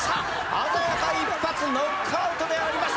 鮮やか一発ノックアウトであります。